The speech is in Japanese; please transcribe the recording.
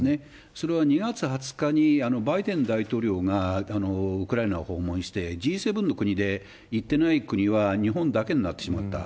それは２月２０日にバイデン大統領がウクライナを訪問して、Ｇ７の国で行ってない国は日本だけになってしまった。